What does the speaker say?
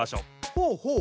ほうほう。